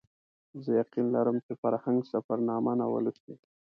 زه یقین لرم چې فرهنګ سفرنامه نه وه لوستې.